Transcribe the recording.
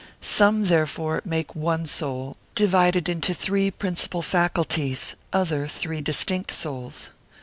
Some therefore make one soul, divided into three principal faculties; others, three distinct souls.